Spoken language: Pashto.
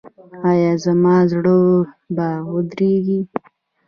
ایا زما زړه به ودریږي؟